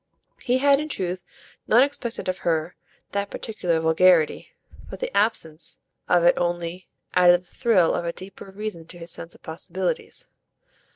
He had in truth not expected of her that particular vulgarity, but the absence of it only added the thrill of a deeper reason to his sense of possibilities.